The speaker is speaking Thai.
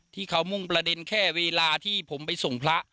ที่เขามุ่งประเด็นแค่เวลาที่ผมไปส่งพระ